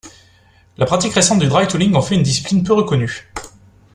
La pratique récente du dry-tooling en fait une discipline peu reconnue.